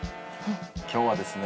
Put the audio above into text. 今日はですね